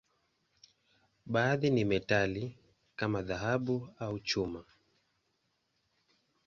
Baadhi ni metali, kama dhahabu au chuma.